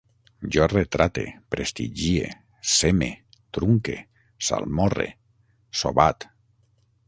Jo retrate, prestigie, seme, trunque, salmorre, sobat